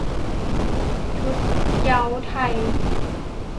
ชุดเหย้าไทย